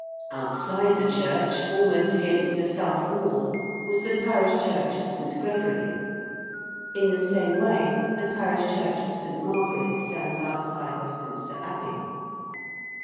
_)] Outside the church, almost against the south wall, was the parish church of St. Gregory. In the same way the parish church of St. Margaret's stands outside Westminster Abbey.